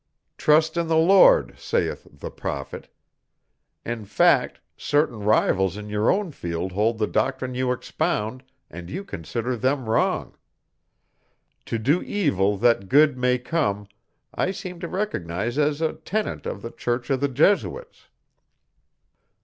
'Trust in the Lord,' saith the prophet. In fact, certain rivals in your own field hold the doctrine you expound, and you consider them wrong. 'To do evil that good may come' I seem to recognize as a tenet of the Church of the Jesuits."